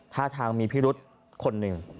ท่าทางมีพิรุษคนหนึ่ง